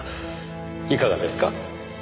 いかがですか？